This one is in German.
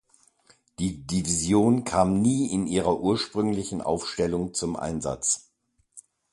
Die Division kam nie in ihrer ursprünglichen Aufstellung zum Einsatz.